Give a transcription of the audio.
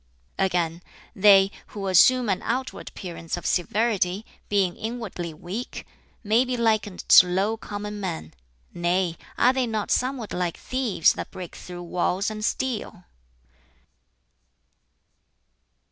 Again, "They who assume an outward appearance of severity, being inwardly weak, may be likened to low common men; nay, are they not somewhat like thieves that break through walls and steal?"